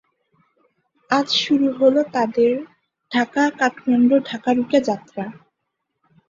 আজ শুরু হলো তাদের ঢাকা কাঠমান্ডু ঢাকা রুটে যাত্রা।